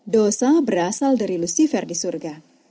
dosa berasal dari lucifer di surga